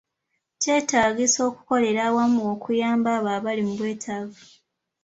Kyetaagisa okukolera awamu okuyamba abo abali mu bwetaavu.